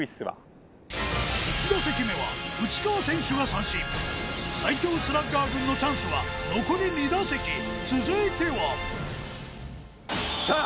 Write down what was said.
１打席目は内川選手が三振最強スラッガー軍のチャンスは残り２打席続いてはしゃーっ！